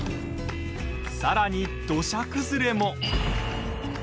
さらに、土砂崩れも。